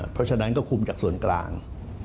เพราะฉะนั้นก็คุมจากส่วนกลาง